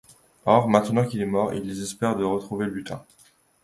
Or, maintenant qu'il est mort, ils désespèrent de retrouver le butin.